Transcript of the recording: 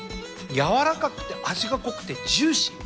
軟らかくて味が濃くてジューシー。